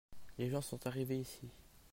les gens sont arrivés ici.